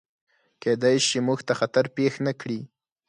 کیدای شي، موږ ته خطر پیښ نکړي.